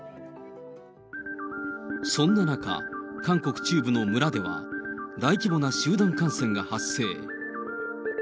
そんな中、韓国中部の村では、大規模な集団感染が発生。